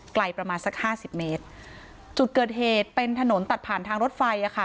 ไกลประมาณสักห้าสิบเมตรจุดเกิดเหตุเป็นถนนตัดผ่านทางรถไฟอ่ะค่ะ